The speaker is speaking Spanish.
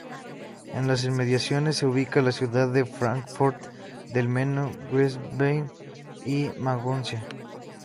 En las inmediaciones, se ubican las ciudades de Fráncfort del Meno, Wiesbaden y Maguncia.